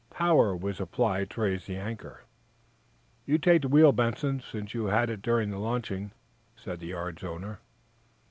Power was applied to raise the anchor. "You take the wheel, Benson, since you had it during the launching," said the yard's owner.